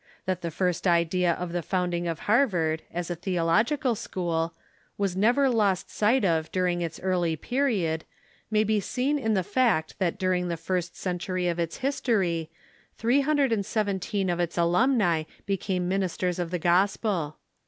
That the first idea of the founding of Harvard — as a theological school — was never lost sight of during its early period may be seen in the fact that during the first century of its history three hundred and seventeen of its alumni became ministers of the gospel.